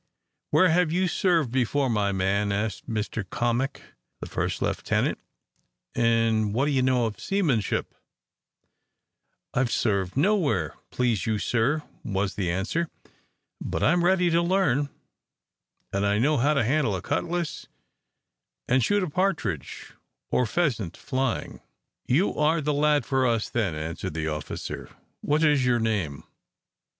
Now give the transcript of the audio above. "Where have you served before, my man?" asked Mr Cammock, the first lieutenant; "and what do you know of seamanship?" "I have served nowhere, please you, sir," was the answer, "but I am ready to learn. And I know how to handle a cutlass, and shoot a partridge or pheasant flying." "You are the lad for us then," answered the officer. "What is your name?